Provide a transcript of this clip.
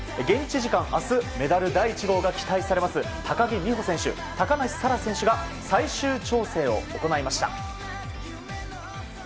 現地時間明日メダル第１号が期待されます、高木美帆選手高梨沙羅選手が最終調整を行いました。